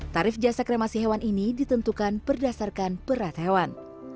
tarif jasa kremasi hewan ini ditentukan berdasarkan berat hewan